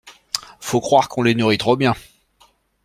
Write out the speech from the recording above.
Faut croire qu’on les nourrit trop bien.